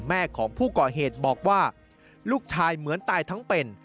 แม่ของผู้ก่อเหตุบอกว่าลูกชายเหมือนตายทั้งเป็น